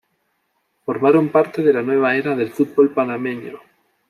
Formaron parte de la nueva era del fútbol panameño.